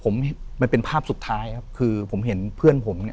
ผมมันเป็นภาพสุดท้ายครับคือผมเห็นเพื่อนผมเนี่ย